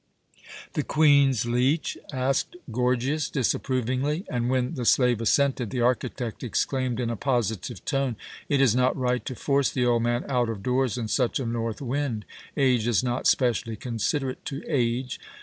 "The Queen's leech?" asked Gorgias, disapprovingly, and when the slave assented, the architect exclaimed in a positive tone: "It is not right to force the old man out of doors in such a north wind. Age is not specially considerate to age.